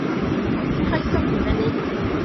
Ti'n rhoi stwff i fyny.